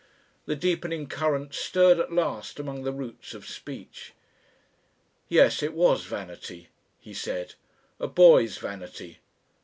The deepening current stirred at last among the roots of speech. "Yes, it was vanity," he said. "A boy's vanity.